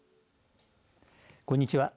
こんにちは。